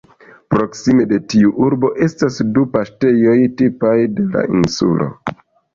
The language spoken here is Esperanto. Proksime de tiu urbo estas du paŝtejoj tipaj de la insulo.